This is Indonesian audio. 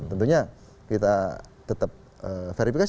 tentunya kita tetap verifikasi